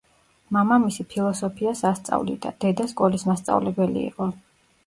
მამამისი ფილოსოფიას ასწავლიდა, დედა სკოლის მასწავლებელი იყო.